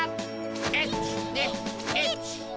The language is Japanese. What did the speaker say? １２１２。